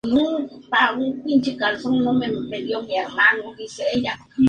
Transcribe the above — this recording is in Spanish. Posee una forma irregular con bordes complejos, no muy definidos.